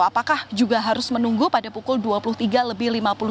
apakah juga harus menunggu pada pukul dua puluh tiga lebih lima puluh